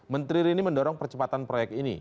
menteri rini mendorong percepatan proyek ini